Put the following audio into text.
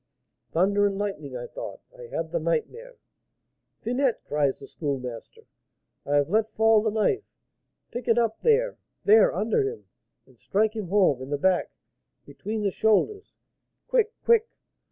Thunder and lightning! I thought I had the nightmare. 'Finette,' cries the Schoolmaster, 'I have let fall the knife; pick it up, there, there, under him, and strike him home, in the back, between the shoulders; quick! quick!'